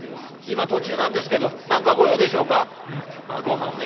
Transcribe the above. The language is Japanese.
今途中なんですけど何か御用でしょうか？」。